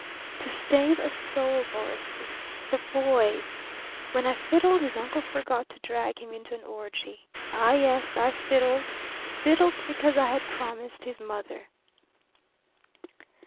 "To save a soul, Boris the boy's. When I fiddled his uncle forgot to drag him into an orgy. Ah, yes; I fiddled, fiddled because I had promised his mother!"